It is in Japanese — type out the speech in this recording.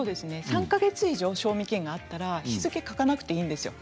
３か月以上賞味期限があったら日付を書かなくていいんです。